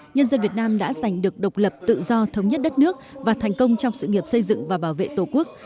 nhân dân việt nam đã giành được độc lập tự do thống nhất đất nước và thành công trong sự nghiệp xây dựng và bảo vệ tổ quốc